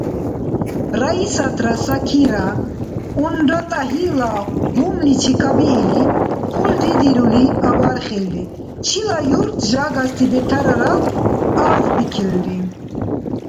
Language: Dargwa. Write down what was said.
Раисатра Сакира, унра ТӀагьирла гъумличи кабиили, «хъулри» дирули абархилри. Чила юрт жагаси бетарарал, абзбикилри.